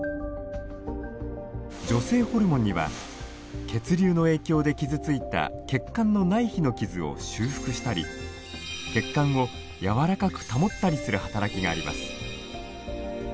女性ホルモンには血流の影響で傷ついた血管の内皮の傷を修復したり血管を柔らかく保ったりする働きがあります。